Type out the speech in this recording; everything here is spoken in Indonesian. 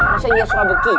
masa iya suara beki